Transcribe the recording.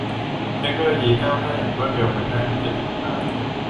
เทคโนโลยีก้าวหน้าอย่างรวดเร็วมันยากที่จะติดตาม